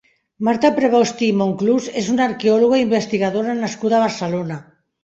Marta Prevosti i Monclús és una arqueòloga i investigadora nascuda a Barcelona.